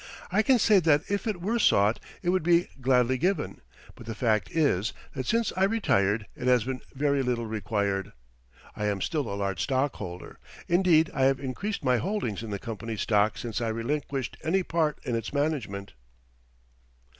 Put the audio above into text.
I can say that if it were sought it would be gladly given. But the fact is that since I retired it has been very little required. I am still a large stockholder, indeed I have increased my holdings in the company's stock since I relinquished any part in its management.